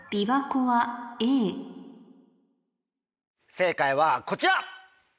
正解はこちら！